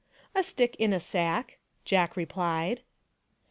" A stick in a sack," Jack replied.